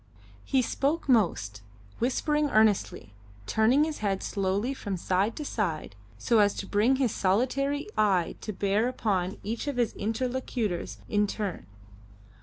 He spoke most, whispering earnestly, turning his head slowly from side to side so as to bring his solitary eye to bear upon each of his interlocutors in turn.